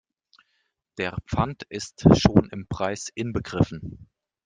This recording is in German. Der Pfand ist schon im Preis inbegriffen.